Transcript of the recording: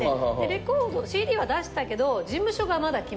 レコードＣＤは出したけど事務所がまだ決まってなくて。